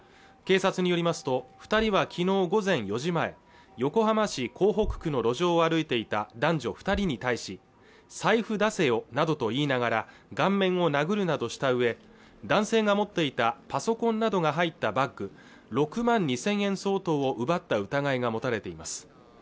警察によりますと二人はきのう午前４時前横浜市港北区の路上を歩いていた男女二人に対し財布出せよなどと言いながら顔面を殴るなどしたうえ男性が持っていたパソコンなどが入ったバッグ６万２０００円相当を奪った疑いが持たれています